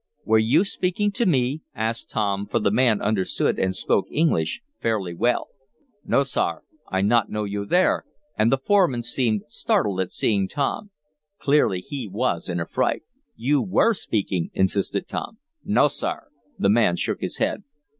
"Were you speaking to me?" asked Tom, for the man understood and spoke English fairly well. "No, sar. I not know you there!" and the foreman seemed startled at seeing Tom. Clearly he was in a fright. "You were speaking!" insisted Tom. "No, sar!" The man shook his head.